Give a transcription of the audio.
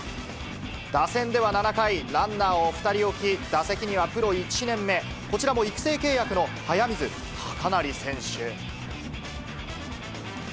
打線では７回、ランナーを２人置き、打席にはプロ１年目、こちらも育成契約の速水隆成選手。